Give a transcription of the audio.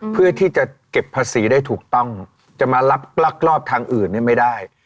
เพื่อที่จะเก็บภาษีได้ถูกต้องจะมารับลักลอบทางอื่นไม่ได้